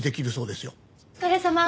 お疲れさま。